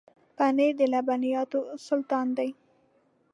پنېر د لبنیاتو سلطان دی.